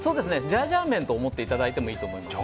ジャージャー麺と思っていただいてもいいと思います。